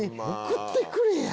送ってくれや！